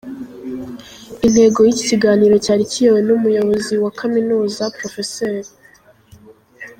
Intego yiki kiganiro cyari kiyobowe numuyobozi wa Kaminuza Pr.